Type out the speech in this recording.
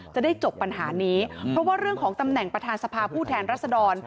จะได้จบปัญหานี้เพราะว่าเรื่องของตำแหน่งประธานสภาผู้แทนรัศดร